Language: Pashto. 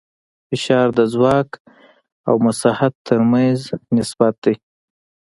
فشار د ځواک او مساحت تر منځ نسبت دی.